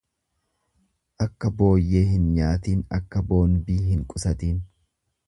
Akka booyyee hin nyaatiin akka boonbii hin qusatiin.